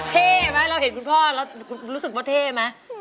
เท่ไหมเราเห็นคุณพ่อแล้วคุณรู้สึกว่าเท่ไหม